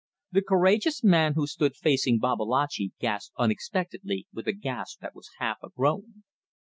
The courageous man who stood facing Babalatchi gasped unexpectedly with a gasp that was half a groan.